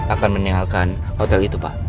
akan meninggalkan hotel itu pak